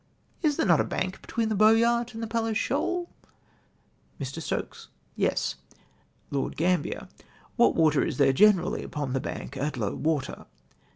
—" Is there not a bank between the Boyart and the Palles Shoal ?" Mr. Stokes. —" Yes." " What water is there generally upon that bank at low water